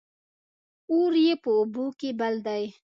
اور يې په اوبو کې بل دى